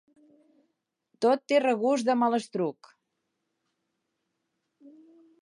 Tot té regust de malastruc.